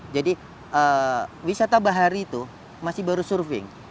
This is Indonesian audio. jadi wisata bahari itu masih baru surfing